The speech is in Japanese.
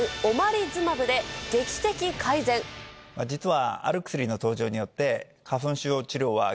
実は。